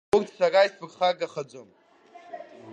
Урҭ сара изсԥырхагахаӡом.